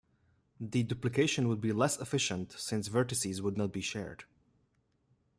The duplication would be less efficient since vertices would not be shared.